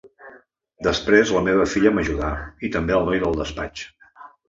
Després la meva filla m’ajuda, i també el noi del despatx.